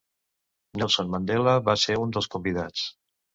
Nelson Mandela va ser un dels convidats.